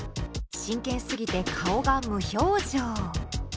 真剣すぎて顔が無表情。